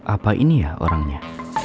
apa ini ya orangnya